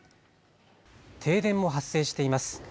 停電も発生しています。